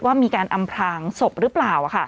ว่ามีการอำพลางศพหรือเปล่า